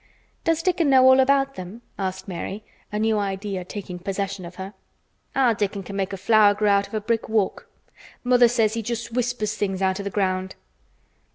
"Does Dickon know all about them?" asked Mary, a new idea taking possession of her. "Our Dickon can make a flower grow out of a brick walk. Mother says he just whispers things out o' th' ground."